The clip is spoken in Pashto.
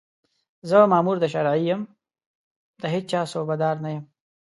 زه مامور د شرعي یم، د هېچا صوبه دار نه یم